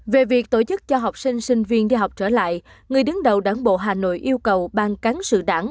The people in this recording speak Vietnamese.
về việc tổ chức cho học sinh sinh viên đi học trở lại người đứng đầu đảng bộ hà nội yêu cầu ban cán sự đảng